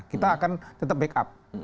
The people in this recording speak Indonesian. kita akan tetap backup